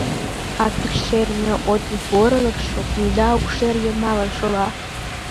А пӱкшерме отын порылыкшо кумда укшер йымалан шула.